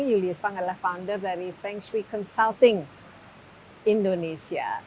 julius fang adalah founder dari feng shui consulting indonesia